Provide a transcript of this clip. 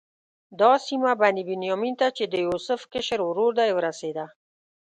دا سیمه بني بنیامین ته چې د یوسف کشر ورور دی ورسېده.